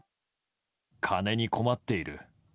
金に困っている。